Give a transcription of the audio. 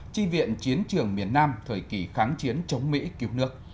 chi viện chiến trường miền nam thời kỳ kháng chiến chống mỹ cứu nước